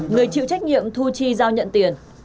người chịu trách nhiệm thu chi giao nhận tiền